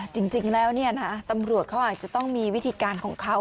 จริงแล้วตำรวจเขาอาจจะต้องมีวิธีการของเขา